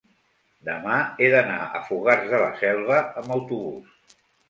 demà he d'anar a Fogars de la Selva amb autobús.